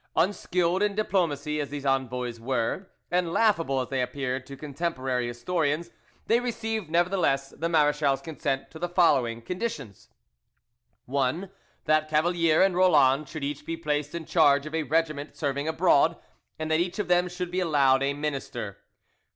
Unskilled in diplomacy as these envoys were, and laughable as they appeared to contemporary historians, they received nevertheless the marechal's consent to the following conditions: 1. That Cavalier and Roland should each be placed in charge of a regiment serving abroad, and that each of them should be allowed a minister.